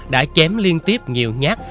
đã chém liên tiếp nhiều nhát